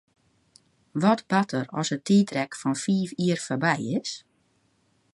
Wat bart der as it tiidrek fan fiif jier foarby is?